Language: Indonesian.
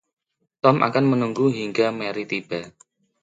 Tom akan menunggu hingga Mary tiba.